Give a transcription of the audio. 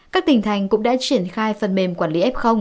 các tỉnh thành cũng đã triển khai phần mềm quản lý f